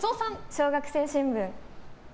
小学生新聞。